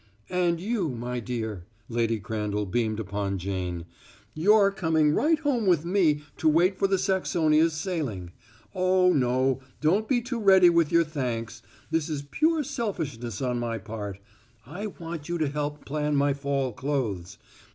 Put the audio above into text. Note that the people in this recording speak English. "And you, my dear" Lady Crandall beamed upon Jane "you're coming right home with me to wait for the Saxonia's sailing. Oh, no, don't be too ready with your thanks. This is pure selfishness on my part. I want you to help plan my fall clothes.